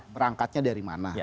berangkatnya dari mana